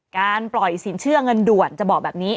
การปล่อยสินเชื่อเงินด่วนจะบอกแบบนี้